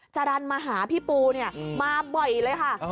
จรรย์มาหาพี่ปูเนี่ยมาบ่อยเลยค่ะ